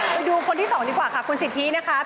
ไปดูคนที่๒ดีกว่าค่ะคุณสิทธินะคะ